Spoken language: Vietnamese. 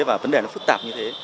và vấn đề nó phức tạp như thế